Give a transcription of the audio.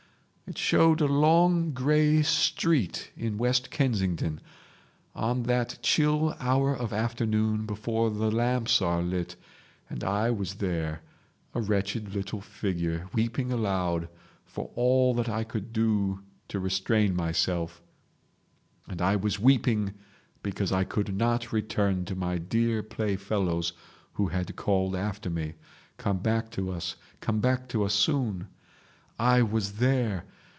It showed a long grey street in West Kensington, on that chill hour of afternoon before the lamps are lit, and I was there, a wretched little figure, weeping aloud, for all that I could do to restrain myself, and I was weeping because I could not return to my dear play fellows who had called after me, 'Come back to us! Come back to us soon!' I was there.